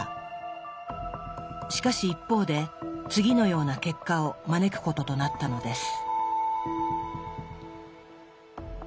しかし一方で次のような結果を招くこととなったのです。